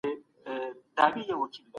په خپلو خبرو کي رښتيا وواياست.